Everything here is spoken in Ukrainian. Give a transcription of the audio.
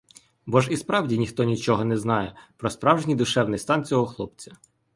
Бо ж і справді ніхто нічого не знає про справжній душевний стан цього хлопця.